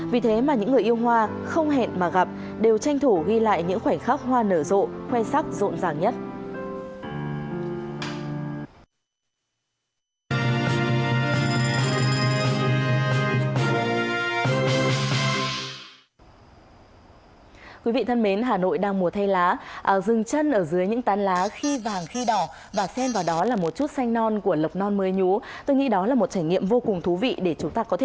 vì thế mà những người yêu hoa không hẹn mà gặp đều tranh thủ ghi lại những khoảnh khắc hoa nở rộ